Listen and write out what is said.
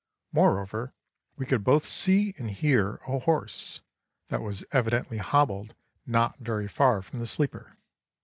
Moreover, we could both see and hear a horse, that was evidently hobbled not very far from the sleeper.